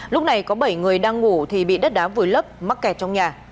lúc này có bảy người đang ngủ thì bị đất đá vùi lấp mắc kẹt trong nhà